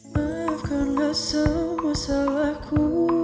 maafkanlah semua salahku